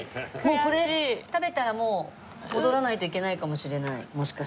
これ食べたらもう戻らないといけないかもしれないもしかしたら。